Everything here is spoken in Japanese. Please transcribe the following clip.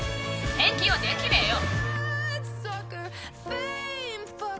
返金はできねえよ！